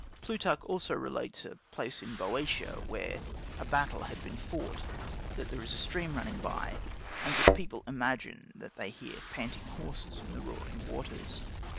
Plutarch also relates of a place in Boeotia where a battle had been fought, that there is a stream running by, and that people imagine that they hear panting horses in the roaring waters.